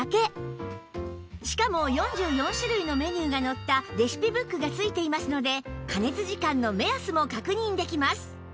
しかも４４種類のメニューが載ったレシピブックが付いていますので加熱時間の目安も確認できます